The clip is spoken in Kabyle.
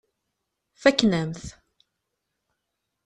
Fakken-am-t.